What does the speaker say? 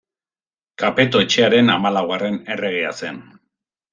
Kapeto etxearen hamalaugarren erregea zen.